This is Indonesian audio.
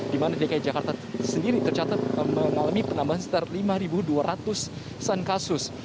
di mana dki jakarta sendiri tercatat mengalami penambahan sekitar lima dua ratus an kasus